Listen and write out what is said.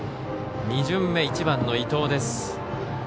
２巡目１番の伊藤です。